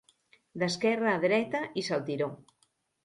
D'esquerra a dreta i saltiró.